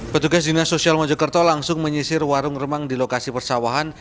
petugas dinas sosial mojokerto langsung menyisir warung remang di lokasi persawahan